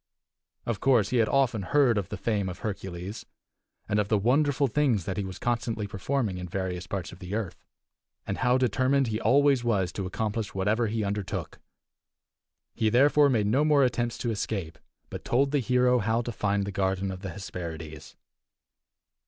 Of course he had often heard of the fame of Hercules, and of the wonderful things that he was constantly performing in various parts of the earth, and how determined he always was to accomplish whatever he undertook. He, therefore, made no more attempts to escape, but told the hero how to find the garden of the Hesperides.